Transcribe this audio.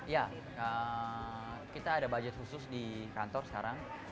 ya kita ada budget khusus di kantor sekarang